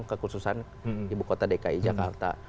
kekhususan ibu kota dki jakarta